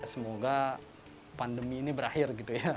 semoga pandemi ini berakhir